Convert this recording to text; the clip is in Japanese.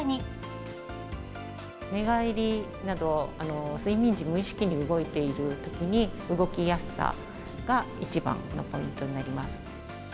寝返りなど、睡眠時、無意識に動いているときに、動きやすさが一番のポイントになります。